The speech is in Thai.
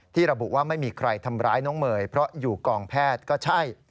ระบุว่าไม่มีใครทำร้ายน้องเมย์เพราะอยู่กองแพทย์ก็ใช่